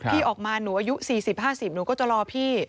พี่ออกมาหนูอายุ๔๐๕๐หนูก็จะรอพี่